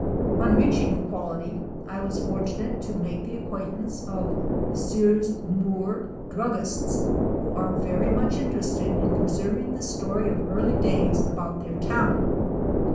On reaching Equality I was fortunate to make the acquaintance of Messrs. Moore, druggists, who are very much interested in preserving the story of early days about their town.